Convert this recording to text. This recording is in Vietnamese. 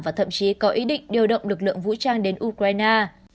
và thậm chí có ý định điều động lực lượng vũ trang đến ukraine